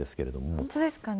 本当ですかね。